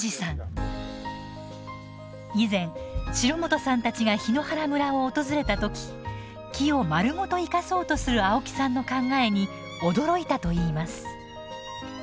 以前城本さんたちが檜原村を訪れた時木をまるごと生かそうとする青木さんの考えに驚いたといいます。